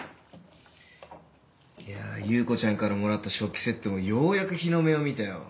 いや優子ちゃんからもらった食器セットもようやく日の目を見たよ。